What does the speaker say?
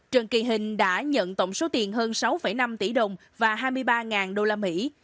trần kỳ hình đã nhận tổng số tiền hơn sáu năm tỷ đồng và hai mươi ba đô la mỹ